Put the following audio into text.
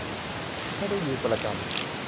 ไม่ได้อยู่ประจำ